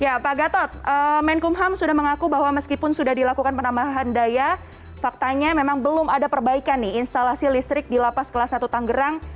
ya pak gatot menkumham sudah mengaku bahwa meskipun sudah dilakukan penambahan daya faktanya memang belum ada perbaikan nih instalasi listrik di lapas kelas satu tanggerang